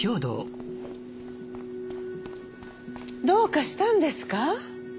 どうかしたんですか？